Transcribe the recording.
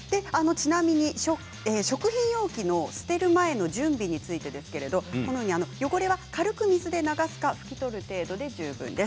ちなみに食品容器の捨てる前の準備についてですけれど汚れは軽く水で流すか拭き取る程度で十分です。